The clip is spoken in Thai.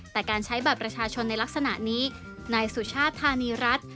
แต่การใช้บัตรประชาชนในลักษณะนี้นายสุชาติธานีรัฐ